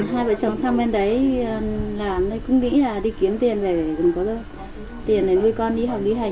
hai vợ chồng sang bên đấy làm cũng nghĩ là đi kiếm tiền để có được tiền để nuôi con đi học đi hành